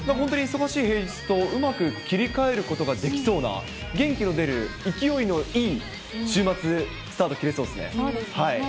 忙しい平日と、うまく切り替えることができそうな、元気の出る、勢いのいい週末、スタート、切れそうですね。